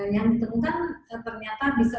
yang ditemukan ternyata bisa